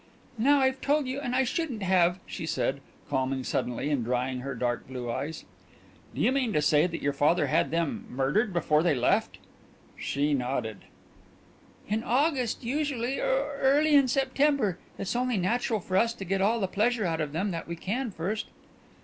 "Now, I've told you, and I shouldn't have," she said, calming suddenly and drying her dark blue eyes. "Do you mean to say that your father had them murdered before they left?" She nodded. "In August usually or early in September. It's only natural for us to get all the pleasure out of them that we can first."